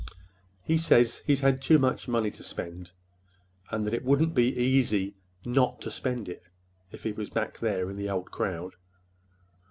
"He says he's had too much money to spend—and that 'twouldn't be easy not to spend it—if he was back there, in the old crowd.